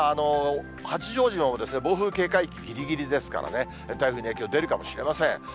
八丈島も暴風警戒域ぎりぎりですからね、台風の影響出るかもしれません。